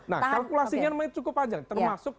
nah kalkulasinya namanya cukup panjang